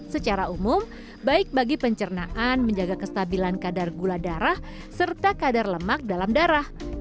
secara umum baik bagi pencernaan menjaga kestabilan kadar gula darah serta kadar lemak dalam darah